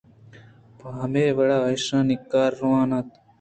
پہ ہمے وڑا ایشانی کار روان اَنت